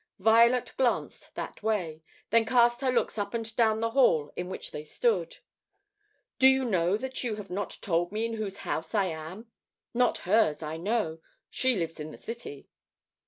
Violet glanced that way, then cast her looks up and down the hall in which they stood. "Do you know that you have not told me in whose house I am? Not hers, I know. She lives in the city."